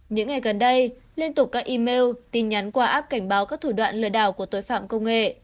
những ngày gần đây liên tục các email tin nhắn qua app cảnh báo các thủ đoạn lừa đảo của tội phạm công nghệ